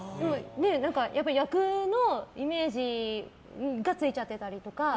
役のイメージがついちゃってたりとか。